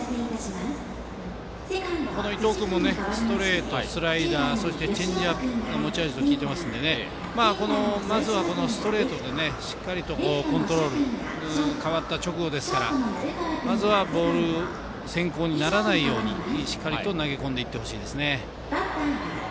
伊東君もストレート、スライダーそしてチェンジアップが持ち味と聞いてますのでまずはストレートでしっかりとコントロール代わった直後ですからボール先行にならないようにしっかりと投げ込んでほしいですね。